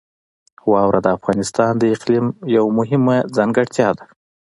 واوره د افغانستان د اقلیم یوه مهمه ځانګړتیا ده.